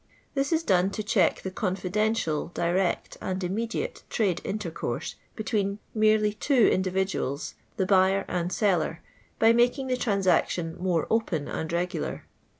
This is done to check the confidential, direct, and imroediute trade intercourse between merely two individuals!, the buyer and seller, by making the transaction more open and regular.